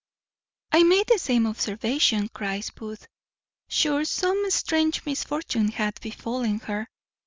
"I made the same observation," cries Booth: "sure some strange misfortune hath befallen her."